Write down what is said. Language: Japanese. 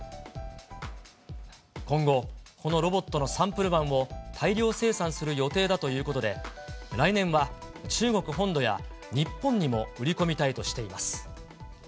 今後、このロボットのサンプル版を大量生産する予定だということで、来年は中国本土や日本にも売り込みたいとしています。